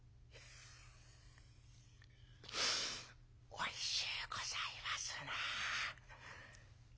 「おいしゅうございますな」。